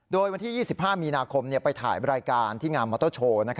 โดยวันที่๒๕มีนาคมไปถ่ายรายการที่งามมอเตอร์โชว์